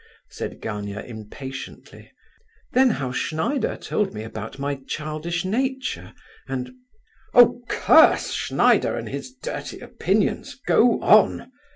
said Gania, impatiently. "Then how Schneider told me about my childish nature, and—" "Oh, curse Schneider and his dirty opinions! Go on."